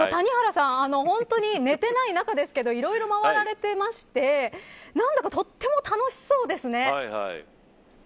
本当に寝てない中ですけどいろいろ回られていまして何だかとっても楽しそうでしたね。